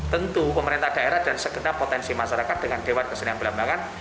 tentu pemerintah daerah dan segenap potensi masyarakat dengan dewan kesenian belambangan